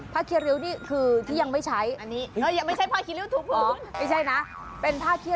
เมื่อกี้เห็นชุดหมูนี้